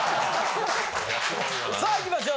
さあいきましょう。